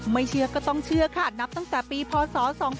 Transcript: เชื่อก็ต้องเชื่อค่ะนับตั้งแต่ปีพศ๒๕๖